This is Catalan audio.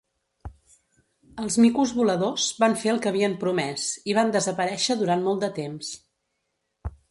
Els micos voladors van fer el que havien promès i van desaparèixer durant molt de temps.